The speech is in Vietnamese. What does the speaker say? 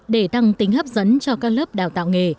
để tăng tính hấp dẫn cho các lớp đào tạo nghề